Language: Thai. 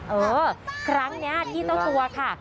เออครั้งนี้อาจรี่ต้าตัวค่ะ